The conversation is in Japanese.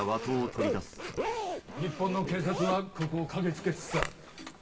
日本の警察はここを嗅ぎつけつつある。